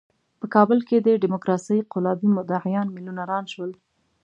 په کابل کې د ډیموکراسۍ قلابي مدعیان میلیونران شول.